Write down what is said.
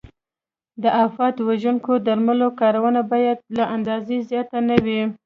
د آفت وژونکو درملو کارونه باید له اندازې زیات نه وي.